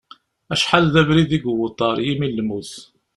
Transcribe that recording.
Acḥal d abrid i yewweḍ ɣer yimi n lmut.